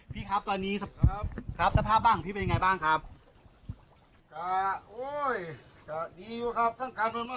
พี่ครับตอนนี้สภาพบ้างของพี่เป็นอย่างไรบ้างครับ